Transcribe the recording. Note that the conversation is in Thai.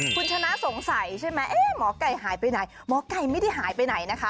คุณชนะสงสัยใช่ไหมหมอไก่หายไปไหนหมอไก่ไม่ได้หายไปไหนนะคะ